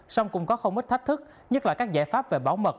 song cũng có không ít thách thức nhất là các giải pháp về bảo mật